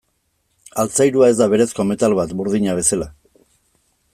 Altzairua ez da berezko metal bat, burdina bezala.